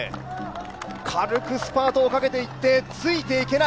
軽くスパートをかけていって、ついていけない。